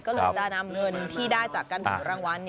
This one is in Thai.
ก็เลยจะนำเงินที่ได้จากการถูกรางวัล